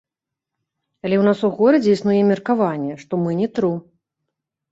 Але ў нас у горадзе існуе меркаванне, што мы не тру.